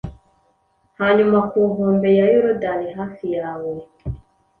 Hanyuma ku nkombe ya Yorodani, hafi ya we